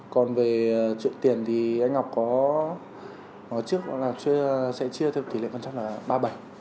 còn về chuyện tiền thì anh ngọc có nói trước là sẽ chia theo tỷ lệ quan trọng là ba mươi bảy